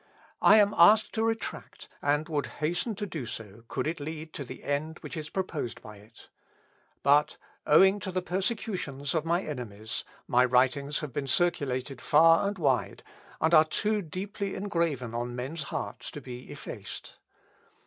I am asked to retract, and would hasten to do so could it lead to the end which is proposed by it. But, owing to the persecutions of my enemies, my writings have been circulated far and wide, and are too deeply engraven on men's hearts to be effaced.